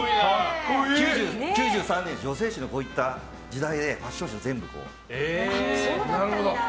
９３年は女性誌のこういった時代でファッション誌、全部。